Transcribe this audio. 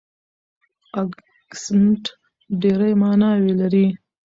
اکسنټ ډېرې ماناوې لري.